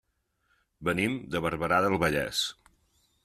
Venim de Barberà del Vallès.